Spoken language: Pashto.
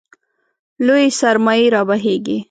لویې سرمایې رابهېږي.